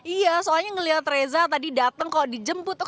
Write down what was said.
iya soalnya ngeliat reza tadi datang kok dijemput